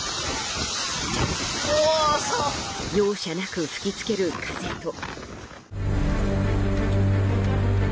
容赦なく吹き付ける風と。